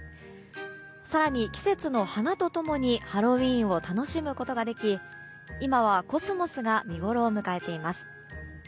更に、季節の花と共にハロウィーンを楽しむことができ今はコスモスが見ごろを迎えています。